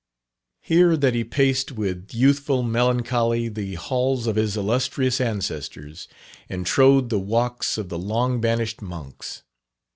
Here that he paced with youthful melancholy the halls of his illustrious ancestors, and trode the walks of the long banished monks.